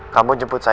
kamu jemput saya